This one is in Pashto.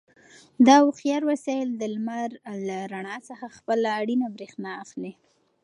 دا هوښیار وسایل د لمر له رڼا څخه خپله اړینه برېښنا اخلي.